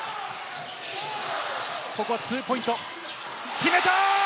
決めた！